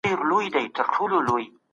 بد عمل بد انجام لري.